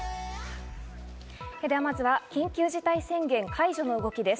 では、まずは緊急事態宣言、解除の動きです。